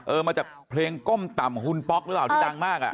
มาจากเพลงก้มต่ำของคุณป๊อกหรือเปล่าที่ดังมากอ่ะ